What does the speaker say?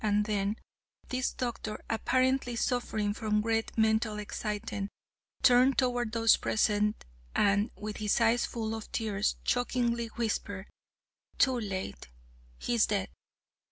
And then, this doctor, apparently suffering from great mental excitement, turned toward those present, and, with his eyes full of tears, chokingly whispered, 'Too late, he is dead.'